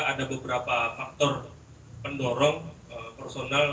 ada beberapa faktor pendorong personal